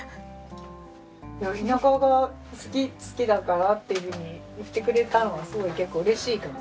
田舎が好きだからっていうふうに言ってくれたのはすごい結構嬉しいかも。